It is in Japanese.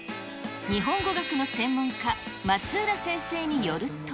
日本語学の専門家、松浦先生によると。